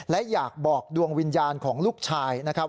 และอยากบอกดวงวิญญาณของลูกชายนะครับ